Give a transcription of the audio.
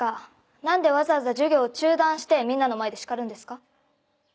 何でわざわざ授業を中断してみんなの前で叱るんですか？